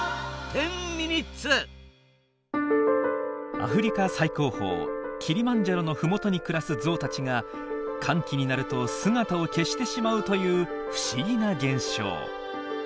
アフリカ最高峰キリマンジャロのふもとに暮らすゾウたちが乾季になると姿を消してしまうという不思議な現象。